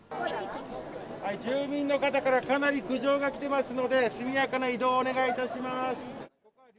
住民の方からかなり苦情が来てますので、速やかな移動をお願いいたします。